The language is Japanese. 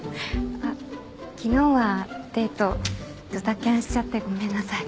あ昨日はデートドタキャンしちゃってごめんなさい。